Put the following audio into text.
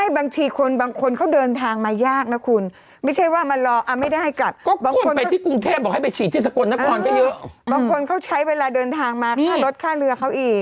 ใช้เวลาเดินทางมาค่ะลดค่าเรือเขาอีก